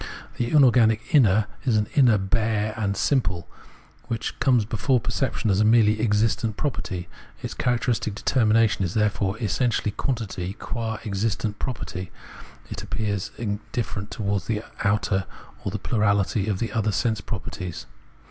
The inorganic inner is an inner bare and simple, which comes before perception as a merely existent property. Its characteristic determination is therefore essentially quantity, and qua existent property it appears indifferent towards the outer, or the plurahty of other sense properties.